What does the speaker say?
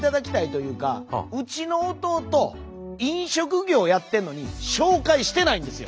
うちの弟飲食業やってんのに紹介してないんですよ。